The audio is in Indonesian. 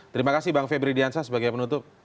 terima kasih bang febri diansyah sebagai penutup